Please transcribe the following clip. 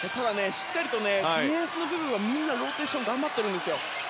しっかりとディフェンスをみんなローテーション頑張っているんですよ。